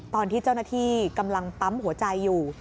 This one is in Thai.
ตอนที่เจ้าหน้าที่กำลังปั๊มหัวใจอยู่